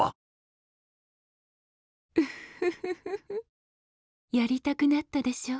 ウフフフやりたくなったでしょ？